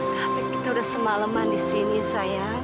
tapi kita sudah semalaman di sini saya